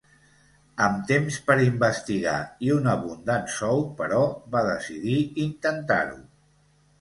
Amb temps per investigar i un abundant sou, però, va decidir intentar-ho.